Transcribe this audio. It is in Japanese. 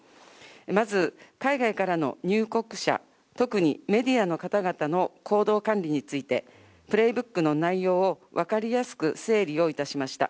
まず海外からの入国者、特にメディアの方々の行動管理について、プレーブックの内容を分かりやすく整理をいたしました。